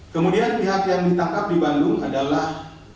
kemudian pihak yang ditangkap di bandung adalah